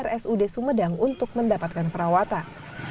rsud sumedang untuk mendapatkan perawatan